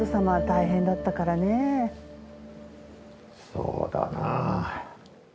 そうだな。